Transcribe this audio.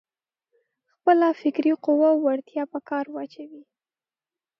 خپله فکري قوه او وړتيا په کار واچوي.